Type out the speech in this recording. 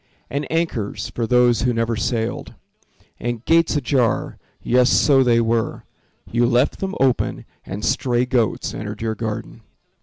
And anchors, for those who never sailed. And gates ajar—yes, so they were; You left them open and stray goats entered your garden.